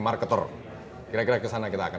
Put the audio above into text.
marketer kira kira ke sana kita akan